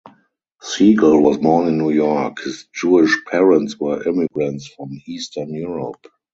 Segal was born in New York; his Jewish parents were immigrants from Eastern Europe.